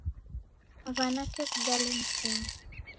Wanake wigale mzinyi